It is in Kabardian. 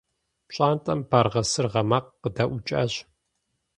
Пщӏантӏэм баргъэ-сыргъэ макъ къыдэӏукӏащ.